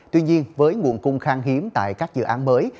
tuy nhiên với nguồn cung khang hiếm tại các dự án mới